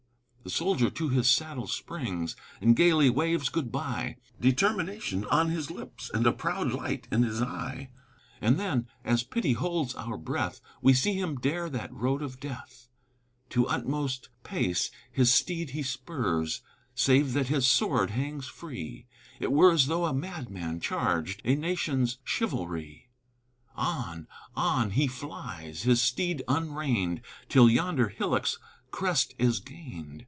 The soldier to his saddle springs And gayly waves good by, Determination on his lips, A proud light in his eye: And then, as pity holds our breath, We see him dare that road of death. To utmost pace his steed he spurs. Save that his sword hangs free, It were as though a madman charged A nation's chivalry! On, on, he flies, his steed unreined Till yonder hillock's crest is gained.